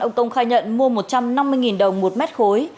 ông tông khai nhận mua một trăm năm mươi đồng một mét khối